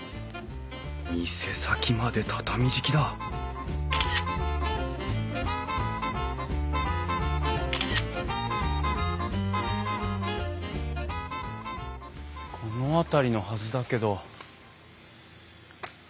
店先まで畳敷きだこの辺りのはずだけど。